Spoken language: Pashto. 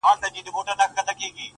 نوي خبرونه د دې کيسې ځای نيسي هر ځای